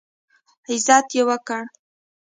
عزت یې وکړ.